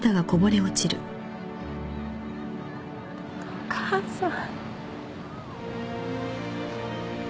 お母さん。